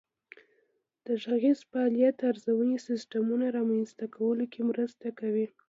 د غږیز فعالیت ارزونې سیسټمونه رامنځته کولو کې مرسته کوي.